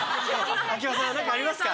秋葉さん何かありますか？